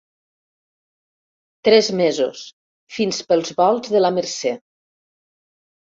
Tres mesos, fins pels volts de la Mercè.